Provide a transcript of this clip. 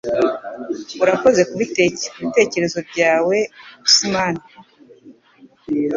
Urakoze kubitekerezo byawe, Usman!